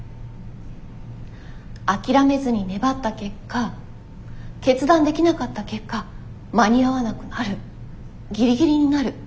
諦めずに粘った結果決断できなかった結果間に合わなくなるギリギリになる。